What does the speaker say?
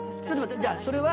じゃあそれは。